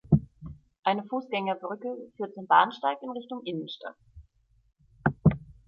Eine Fußgängerbrücke führt zum Bahnsteig in Richtung Innenstadt.